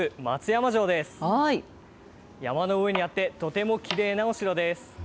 山の上にあって、とてもきれいなお城です。